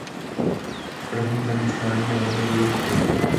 První zaměstnání je velmi důležité.